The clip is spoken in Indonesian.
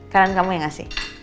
karyawan kamu ya gak sih